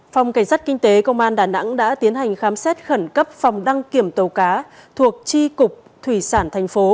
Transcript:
phòng cảnh sát kinh tế công an đà nẵng đã tiến hành khám xét khẩn cấp phòng đăng kiểm tàu cá thuộc tri cục thủy sản thành phố